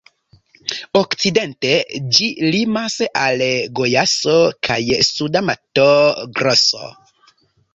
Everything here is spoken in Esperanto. Okcidente ĝi limas al Gojaso kaj Suda Mato-Groso.